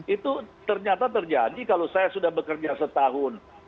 itu ternyata terjadi kalau saya sudah bekerja setahun